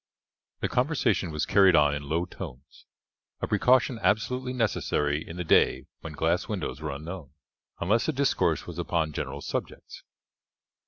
The conversation was carried on in low tones, a precaution absolutely necessary in the day when glass windows were unknown, unless the discourse was upon general subjects.